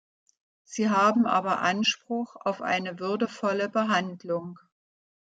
Sie haben aber Anspruch auf eine würdevolle Behandlung.